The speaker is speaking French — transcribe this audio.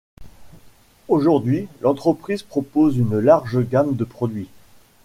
Aujourd'hui, l'entreprise propose une large gamme de produits.